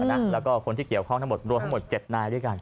แล้วก็คนที่เกี่ยวข้องทั้งหมดรวมทั้งหมด๗นายด้วยกัน